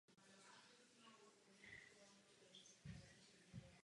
Dnes podepisujeme začátek mezinárodního trestu smrti pro tento režim.